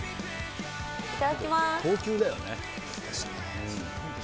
いただきます。